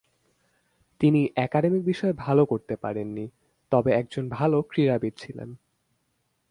তিনি একাডেমিক বিষয়ে ভাল করতে পারেননি, তবে একজন ভাল ক্রীড়াবিদ ছিলেন।